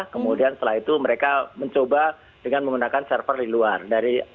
kemudian setelah itu mereka mencoba dengan menggunakan server di luar